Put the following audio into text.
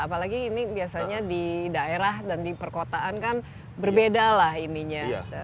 apalagi ini biasanya di daerah dan di perkotaan kan berbeda lah ininya